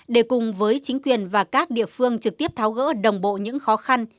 để cùng với chính quyền và các địa phương trực tiếp tháo gỡ đồng bộ những khó khăn